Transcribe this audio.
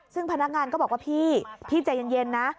ซึ่งพนักงานก็บอกว่าพี่พี่ใจเย็นนะ